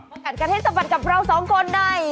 กัดกันให้สะบัดกับเราสองคนใน